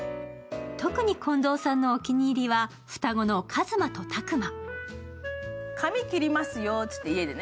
特に近藤さんのお気に入りは双子のカズマとタクマ。